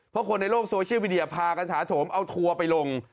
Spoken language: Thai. เพราะคนในโลกโซเชียลมีเดียพากันถาโถมเอาทัวร์ไปลง